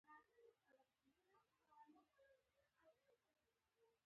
هغه تېروتنې چې مخنیوی یې کېږي د دایمي تېروتنې په نامه یادېږي.